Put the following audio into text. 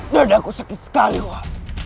dadahku sakit sekali wah